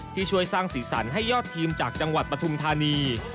ที่ช่วยสร้างสีสันให้ยอดทีมจากจังหวัดปฐุมธานี